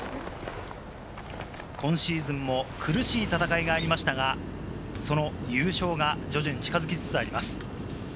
今シーズンも苦しい戦いがありましたが、その優勝が徐々に近づきつつあります。